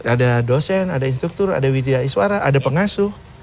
ada dosen ada instruktur ada widyaiswara ada pengasuh